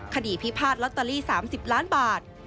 พิพาทลอตเตอรี่๓๐ล้านบาท